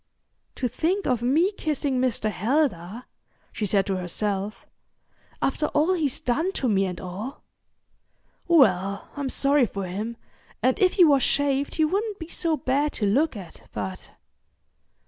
"To think of me kissing Mr. Heldar," she said to herself, "after all he's done to me and all! Well, I'm sorry for him, and if he was shaved he wouldn't be so bad to look at, but...